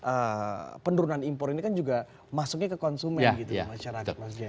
jadi pendurunan impor ini kan juga masuknya ke konsumen gitu mas jendro